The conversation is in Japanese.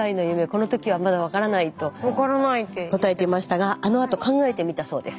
この時はまだ分からないと答えていましたがあのあと考えてみたそうです。